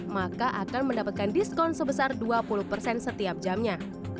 maka akan mendapatkan diskon sebesar dua puluh persen setiap jamnya